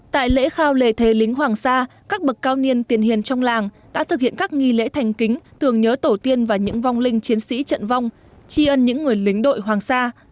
tại lễ khao lề thế lính hoàng sa các bậc cao niên tiền hiền trong làng đã thực hiện các nghi lễ thành kính tưởng nhớ tổ tiên và những vong linh chiến sĩ trận vong tri ân những người lính đội hoàng sa